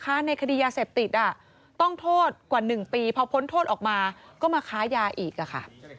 ในคดียาเสพติดต้องโทษกว่า๑ปีพอพ้นโทษออกมาก็มาค้ายาอีกอะค่ะ